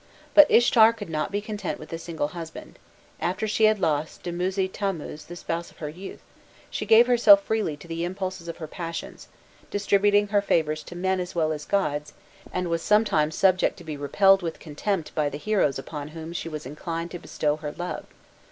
But Ishtar could not be content with a single husband: after she had lost Dumuzi Tammuz, the spouse of her youth, she gave herself freely to the impulses of her passions, distributing her favours to men as well as gods, and was sometimes subject to be repelled with contempt by the heroes upon whom she was inclined to bestow her love.